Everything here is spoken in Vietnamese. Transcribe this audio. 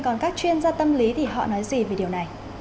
còn các chuyên gia tâm lý thì họ nói gì về điều này